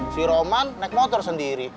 si roman naik motor sendiri